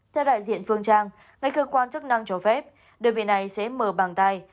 theo đại diện phương trang ngay cơ quan chức năng cho phép đơn vị này sẽ mở bằng tay